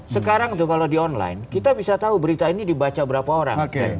sekarang tuh kalau di online kita bisa tahu berita ini dibaca berapa orang